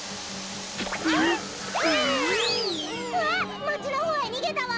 あっまちのほうへにげたわ！